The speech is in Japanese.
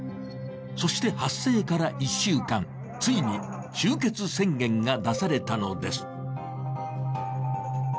そして発生から１週間ついに終結宣言が出されたのです。